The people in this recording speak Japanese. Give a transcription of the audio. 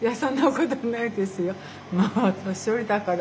いや年寄りだから。